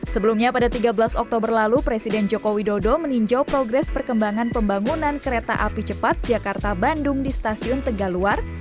sebelumnya pada tiga belas oktober lalu presiden joko widodo meninjau progres perkembangan pembangunan kereta api cepat jakarta bandung di stasiun tegaluar